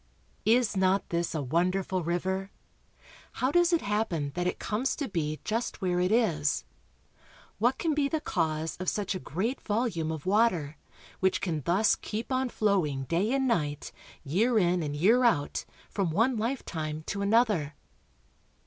Is not this a wonderful river? How does it happen that it comes to be just where it is? What can be the cause VALLEY OF THE AMAZON. 3OI of such a great volume of water, which can thus keep on flowing day and night, year in and year out, from one life time to another?